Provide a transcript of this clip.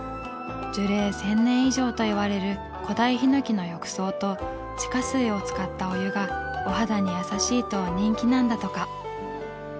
樹齢千年以上といわれる古代ヒノキの浴槽と地下水を使ったお湯がお肌にやさしいと人気なんだとか。